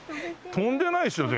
飛んでないですね。